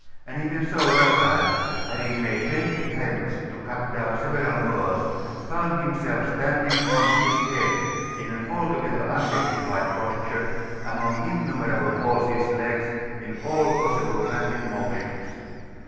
And even so Raphael, having made vain attempts to cut down several Moors, found himself standing on his head in an altogether undignified posture, among innumerable horses' legs, in all possible frantic motions.